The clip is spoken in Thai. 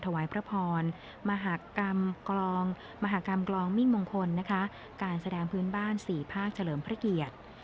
ถวายพระพรมหากรรมกรองมหากรรมกลองมิ่งมงคลนะคะการแสดงพื้นบ้าน๔ภาคเฉลิมพระเกียรติ